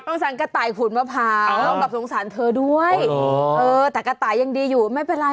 สงสารกระต่ายขูดมะพร้าวแบบสงสารเธอด้วยแต่กระต่ายยังดีอยู่ไม่เป็นไร